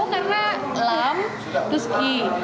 oh karena lam terus ki